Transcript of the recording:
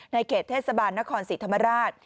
เขตเทศบาลนครศรีธรรมราช